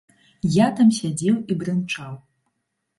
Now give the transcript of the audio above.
Я там сядзеў і брынчаў.